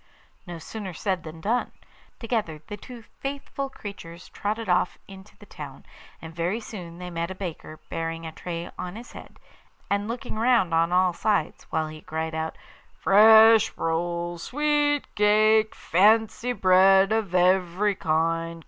No sooner said than done. Together the two faithful creatures trotted off into the town, and very soon they met a baker bearing a tray on his head, and looking round on all sides, while he cried: 'Fresh rolls, sweet cake, Fancy bread of every kind.